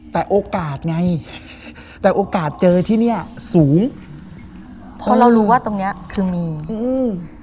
แต่โอกาสไงแต่โอกาสเจอที่เนี้ยสูงเพราะเรารู้ว่าตรงเนี้ยคือมีอืม